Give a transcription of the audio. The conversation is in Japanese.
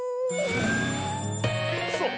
そう。